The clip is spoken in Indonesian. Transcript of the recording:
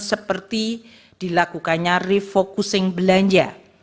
seperti dilakukannya refocusing belanja